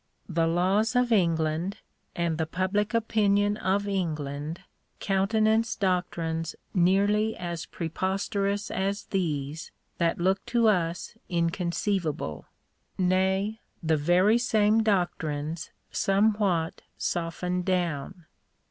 The laws of England, and the public opinion of England, countenance doctrines nearly as preposterous as these that look to us incon ceivable; nay, the very same doctrines somewhat softened down.